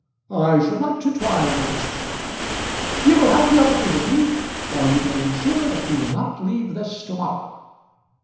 "I should like to try the question." "You will have the opportunity, for you may be sure that you'll not leave this to morrow."